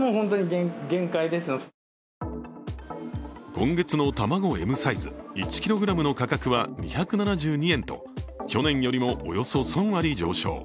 今月の卵Ｍサイズ１ｋｇの価格は２７２円と去年よりもおよそ３割上昇。